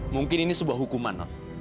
mungkin ini sebuah hukuman